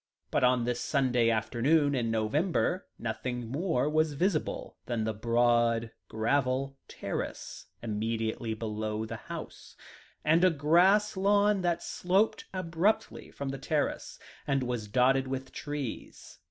But, on this Sunday afternoon in November, nothing more was visible than the broad gravel terrace immediately below the house, and a grass lawn that sloped abruptly from the terrace, and was dotted with trees.